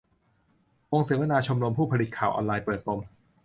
วงเสวนาชมรมผู้ผลิตข่าวออนไลน์ เปิดปม